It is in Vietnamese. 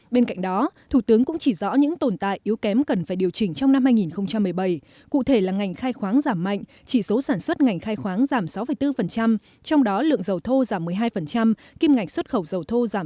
bên cạnh đó thủ tướng cũng chỉ rõ những tồn tại yếu kém cần phải điều chỉnh trong năm hai nghìn một mươi bảy cụ thể là ngành khai khoáng giảm mạnh chỉ số sản xuất ngành khai khoáng giảm sáu bốn trong đó lượng dầu thô giảm một mươi hai kim ngạch xuất khẩu dầu thô giảm